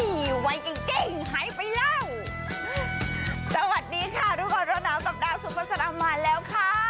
หายไปแล้วสวัสดีค่ะทุกคนรอดน้ำสัปดาห์สุขศรรย์มาแล้วค่ะ